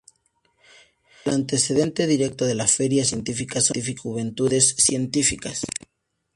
El antecedente directo de la Feria Científica son las Juventudes Científicas.